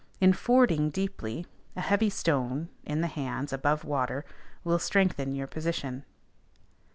In fording deeply, a heavy stone [in the hands, above water] will strengthen your position.